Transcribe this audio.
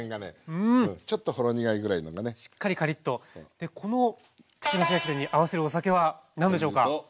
でこの串なし焼き鳥に合わせるお酒は何でしょうか？